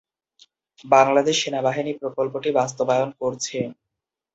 বাংলাদেশ সেনাবাহিনী প্রকল্পটি বাস্তবায়ন করছে।